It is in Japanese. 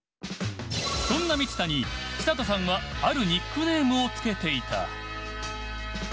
そんな満田に寿人さんはあるニックネームを付けていた。